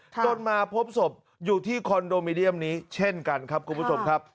จนมาพบศพอยู่ที่คอนโดมิเนียมนี้เช่นกันครับคุณผู้ชมครับ